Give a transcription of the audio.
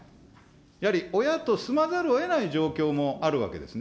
やはり親と住まざるをえない状況もあるわけですね。